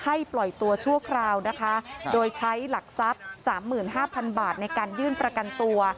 ปล่อยตัวชั่วคราวนะคะโดยใช้หลักทรัพย์สามหมื่นห้าพันบาทในการยื่นประกันตัว